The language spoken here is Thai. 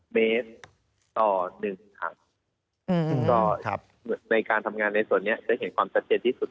ในการทำงานในส่วนนี้จะเห็นความสะเทียดที่สุด